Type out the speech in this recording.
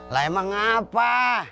lah emang apa